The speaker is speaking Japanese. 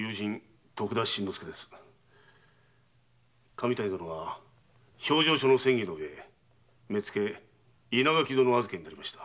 神谷殿は評定所の詮議のうえ目付・稲垣殿預けになりました。